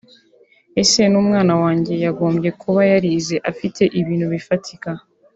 Ese n’umwana wanjye yagombye kuba yarize afite ibintu bifatika